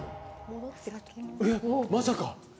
え、まさか？